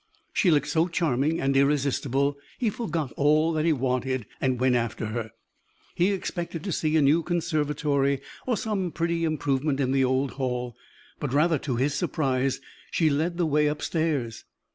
She looked so charming and irresistible, he forgot all that he wanted and went after her. He expected to see a new conservatory or some pretty improvement in the old hall; but, rather to his surprise, she led the way up stairs.